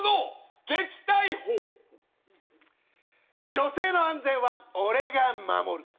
女性の安全は俺が守る。